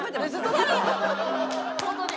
ホントに。